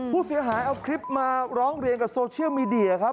ผู้เสียหายเอาคลิปมาร้องเรียนกับโซเชียลมีเดียครับ